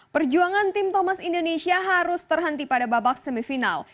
perjuangan tim thomas indonesia harus terhenti pada babak semifinal